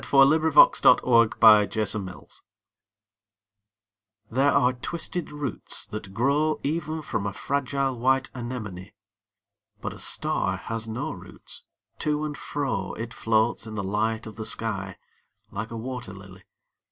DiqllzodbvCoOgle STAR SONG These are twisted roots that grow Even from a fragile white anemone. 'But a star has no roots : to and fro It floats in the light of the sky, like a wat«r ]ily.